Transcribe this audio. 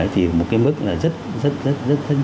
thì một cái mức là rất rất rất rất thân hẹn